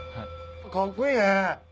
かっこいいね。